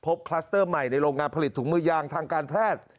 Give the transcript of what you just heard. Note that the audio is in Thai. คลัสเตอร์ใหม่ในโรงงานผลิตถุงมือยางทางการแพทย์